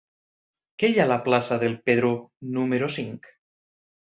Què hi ha a la plaça del Pedró número cinc?